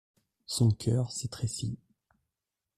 Son cœur s'étrécit.